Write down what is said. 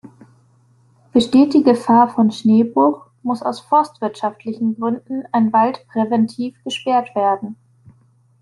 Besteht die Gefahr von Schneebruch, muss aus forstwirtschaftlichen Gründen ein Wald präventiv gesperrt werden.